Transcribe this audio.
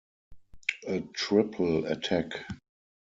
A triple attack.